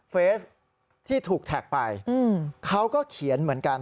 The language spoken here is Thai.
เฟสที่ถูกแท็กไปเขาก็เขียนเหมือนกัน